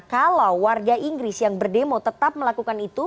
kalau warga inggris yang berdemo tetap melakukan itu